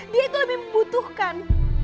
dia itu lebih membutuhkan